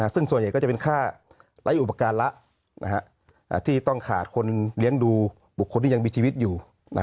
ซึ่งส่วนใหญ่ก็จะเป็นค่าไร้อุปการณ์ละที่ต้องขาดคนเลี้ยงดูบุคคลที่ยังมีชีวิตอยู่